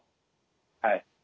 はい。